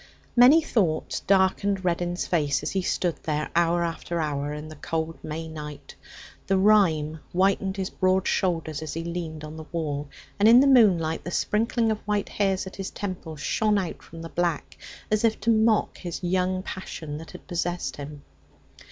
Many thoughts darkened Reddin's face as he stood there hour after hour in the cold May night. The rime whitened his broad shoulders as he leaned on the wall, and in the moonlight the sprinkling of white hairs at his temples shone out from the black as if to mock this young passion that had possessed him.